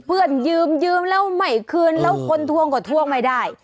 เพื่อนยืมยืมแล้วไม่คืนแล้วคนทวงก็ทวงไม่ได้